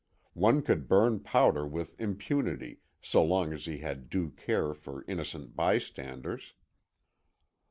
One could burn powder with impunity, so long as he had due care for innocent bystanders.